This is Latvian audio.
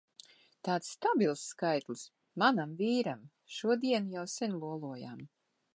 Tāds stabils skaitlis! Manam vīram! Šo dienu jau sen lolojām.